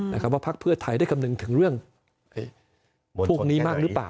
ว่าพักเพื่อไทยได้คำนึงถึงเรื่องพวกนี้มากหรือเปล่า